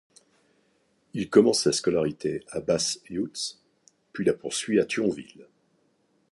Il commence sa scolarité à Basse-Yutz, puis la poursuit à Thionville.